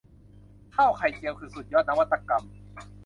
ข้าวไข่เจียว คือสุดยอดนวัตกรรม